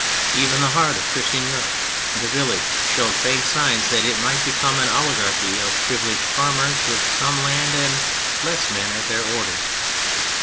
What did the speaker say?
Even the heart of Christian Europe, the village, showed faint signs that it might become an oligarchy of privileged farmers with some land and less men at their orders.